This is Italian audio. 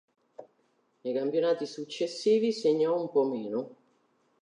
Nei campionati successivi segnò un po' meno.